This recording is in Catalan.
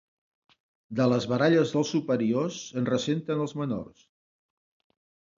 De les baralles dels superiors se'n ressenten els menors.